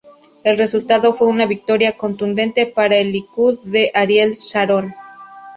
El resultado fue una victoria contundente para el Likud de Ariel Sharon.